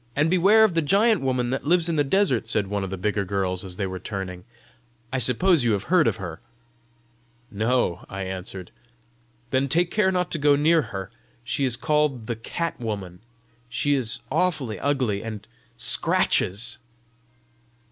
"And beware of the giant woman that lives in the desert," said one of the bigger girls as they were turning, "I suppose you have heard of her!" "No," I answered. "Then take care not to go near her. She is called the Cat woman. She is awfully ugly AND SCRATCHES."